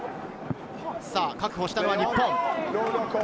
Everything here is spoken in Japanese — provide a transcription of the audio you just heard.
確保したのは日本。